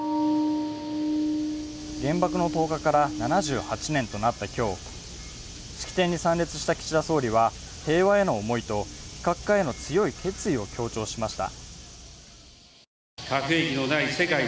原爆の投下から７８年となった今日、式典に参列した岸田総理は、平和への思いと非核化への強い決意を強調しました。